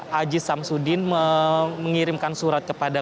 haji samsudin mengirimkan surat kepada